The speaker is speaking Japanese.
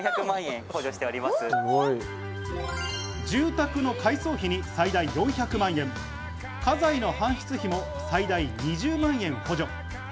住宅の改装費に最大４００万円、家財の搬出費も最大２０万円を補助。